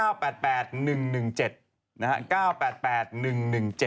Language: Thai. โอ้โหโอ้โหโอ้โหโอ้โหโอ้โห